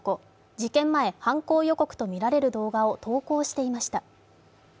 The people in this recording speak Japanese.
事件前、犯行予告とみられる動画を投稿していました。